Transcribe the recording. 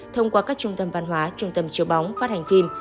thông qua các trung tâm văn hóa trung tâm chiếu bóng phát hành phim